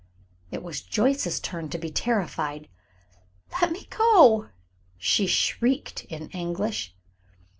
"] It was Joyce's turn to be terrified. "Let me go!" she shrieked, in English.